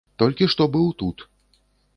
Толькі што быў тут.